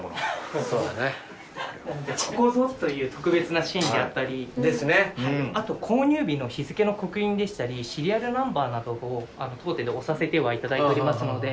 ここぞという特別なシーンであったりあと購入日の日付の刻印でしたりシリアルナンバーなどを当店で押させてはいただいておりますので。